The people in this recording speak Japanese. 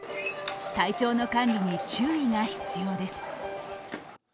体調の管理に注意が必要です。